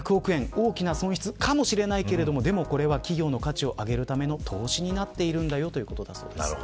大きな損失かもしれないけどでもこれは、企業の価値を上げるための投資になっているんだよ